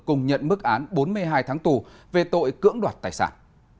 cùng nhận mức án bốn mươi hai tháng tù về tội cưỡng đoạt tài sản